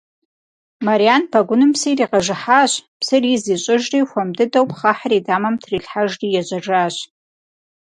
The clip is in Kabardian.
Мэрян пэгуным псы иригъэжыхьащ, псыр из ищӀыжри хуэм дыдэу пхъэхьыр и дамэм трилъхьэжри ежьэжащ.